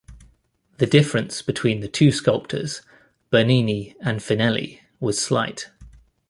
The difference between the two sculptors, Bernini and Finelli, was slight.